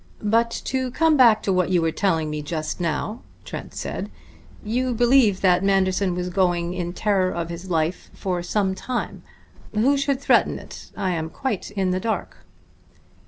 "But to come back to what you were telling me just now," Trent said. "You believe that Manderson was going in terror of his life for some time. Who should threaten it? I am quite in the dark."